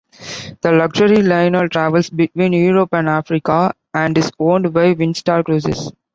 The luxury liner travels between Europe and Africa, and is owned by Windstar Cruises.